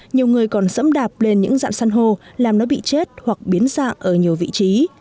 nhiều người còn sẫm đạp lên những dạng san hô làm nó bị chết hoặc biến dạng ở nhiều vị trí